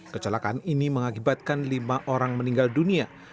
kecelakaan ini mengakibatkan lima orang meninggal dunia